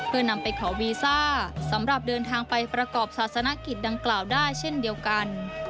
เพื่อนำไปขอวีซ่าสำหรับเดินทางไปประกอบศาสนกิจดังกล่าวได้เช่นเดียวกัน